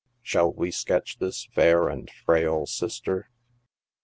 Shall we sketch this fair and frail sister